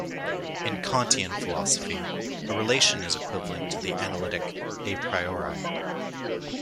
In Kantian philosophy, a relation is equivalent to the analytic "a priori".